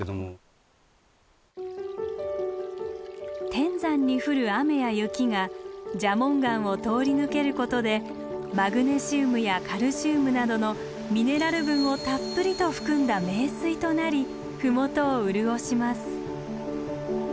天山に降る雨や雪が蛇紋岩を通り抜けることでマグネシウムやカルシウムなどのミネラル分をたっぷりと含んだ名水となり麓を潤します。